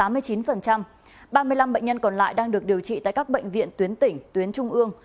ba mươi năm bệnh nhân còn lại đang được điều trị tại các bệnh viện tuyến tỉnh tuyến trung ương